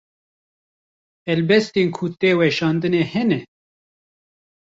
Helbestên ku te weşandine hene?